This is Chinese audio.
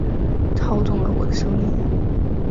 操纵了我的生命